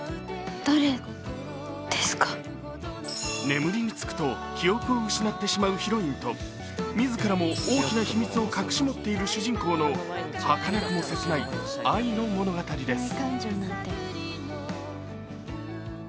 眠りにつくと記憶を失ってしまうヒロインと、自らも大きな秘密を隠し持っている主人公のはかなくも切ない愛の物語です。